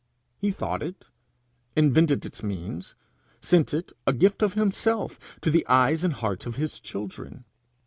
He thought it; invented its means; sent it, a gift of himself, to the eyes and hearts of his children.